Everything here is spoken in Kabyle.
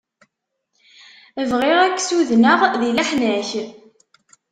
Bɣiɣ ad k-sudenɣ di leḥnak.